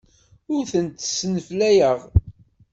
Ur tent-sneflayeɣ.